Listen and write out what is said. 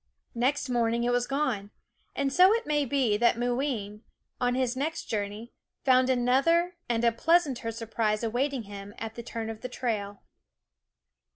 Next morning it was gone; and so it may be that Mooween, on his next jour ney, found another and a pleasanter surprise awaiting him at the turn of the trail.